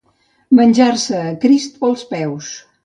Menjar-se a Crist pels peus.